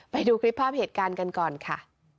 ไปดูคลิปภาพเหตุการณ์กันก่อนค่ะ